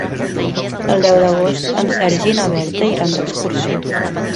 El deu d'agost en Sergi i na Berta iran d'excursió.